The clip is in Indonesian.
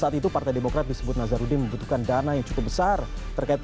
ya itu tadi rekaman sidang mega korupsi yang hari ini